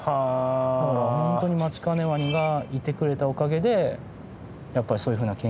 だから本当にマチカネワニがいてくれたおかげでやっぱりそういうふうな研究がすごく進んだ。